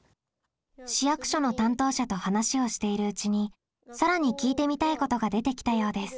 市役所の担当者と話をしているうちにさらに聞いてみたいことが出てきたようです。